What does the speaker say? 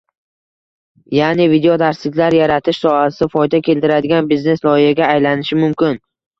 ya’ni videodarsliklar yaratish sohasi foyda keltiradigan biznes-loyihaga aylanishi mumkin.